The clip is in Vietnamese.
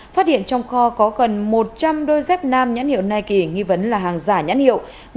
phát hiện trong kho có gần một trăm linh đôi dép nam nhãn hiệu nike nghi vấn là hàng giả nhãn hiệu